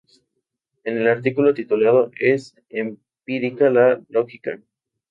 En el artículo titulado ""¿Es empírica la lógica?